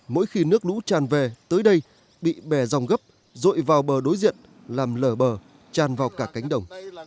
mỗi khi nước lũ tràn về tới đây bị bẻ dòng gấp rội vào bờ đối diện làm lở bờ tràn vào cả cánh đồng